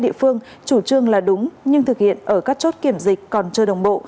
địa phương chủ trương là đúng nhưng thực hiện ở các chốt kiểm dịch còn chưa đồng bộ